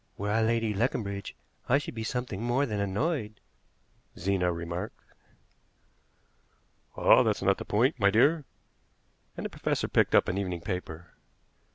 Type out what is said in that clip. "Were I Lady Leconbridge I should be something more than annoyed," Zena remarked. "Ah! that's not the point, my dear," and the professor picked up an evening paper.